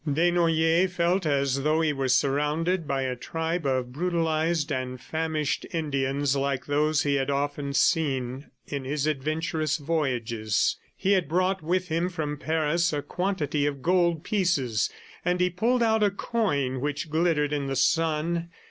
Desnoyers felt as though he were surrounded by a tribe of brutalized and famished Indians like those he had often seen in his adventurous voyages. He had brought with him from Paris a quantity of gold pieces, and he pulled out a coin which glittered in the sun.